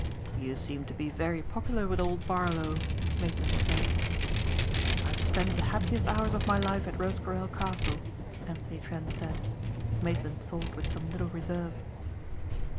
"You seem to be very popular with old Barlow," Maitland said. "I have spent the happiest hours of my life at Rosecarrel Castle," Anthony Trent said, Maitland thought with some little reserve.